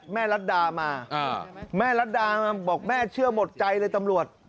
รัดดามาแม่รัฐดามาบอกแม่เชื่อหมดใจเลยตำรวจ